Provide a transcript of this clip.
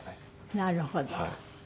なるほど。